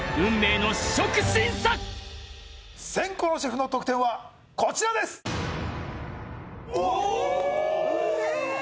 先攻のシェフの得点はこちらですおっ！